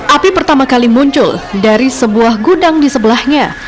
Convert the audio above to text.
api pertama kali muncul dari sebuah gudang di sebelahnya